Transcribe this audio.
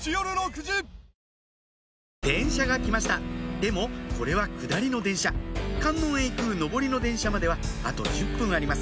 でもこれは下りの電車観音へ行く上りの電車まではあと１０分あります